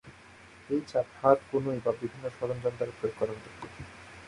এই চাপ হাত, কনুই বা বিভিন্ন সরঞ্জাম দ্বারা প্রয়োগ করা হতে পারে।